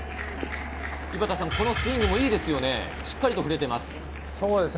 井端さん、このスイングもいいですよね、しっかりと振れています。